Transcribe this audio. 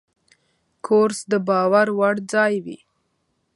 کورس د باور وړ ځای وي.